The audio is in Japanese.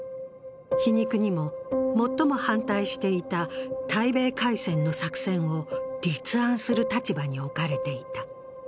皮肉にも、最も反対していた対米開戦の作戦を立案する立場に置かれていた。